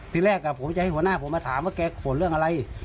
ทีแรกผมจะให้หัวหน้าผมมาถามว่าแกโกรธเรื่องอะไร